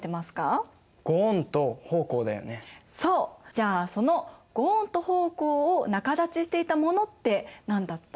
じゃあその御恩と奉公を仲立ちしていたものって何だった？